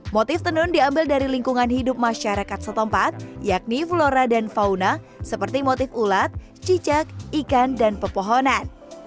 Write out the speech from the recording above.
motif tenun diambil dari lingkungan hidup masyarakat setempat yakni flora dan fauna seperti motif ulat cicak ikan dan pepohonan